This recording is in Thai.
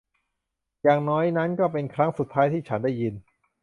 อย่างน้อยนั่นก็เป็นครั้งสุดท้ายที่ฉันได้ยิน